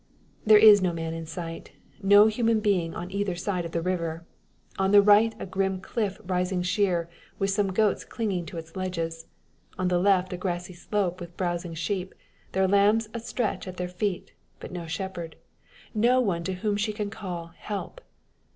There is no man in sight no human being on either side of the river! On the right a grim cliff rising sheer, with some goats clinging to its ledges. On the left a grassy slope with browsing sheep, their lambs astretch at their feet; but no shepherd, no one to whom she can call "Help!"